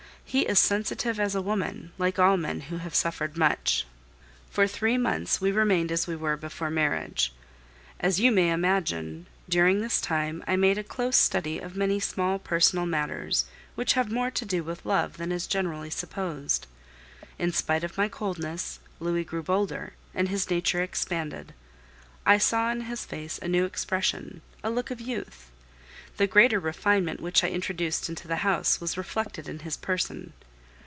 He is sensitive as a woman, like all men who have suffered much. For three months we remained as we were before marriage. As you may imagine, during this time I made a close study of many small personal matters, which have more to do with love than is generally supposed. In spite of my coldness, Louis grew bolder, and his nature expanded. I saw on his face a new expression, a look of youth. The greater refinement which I introduced into the house was reflected in his person.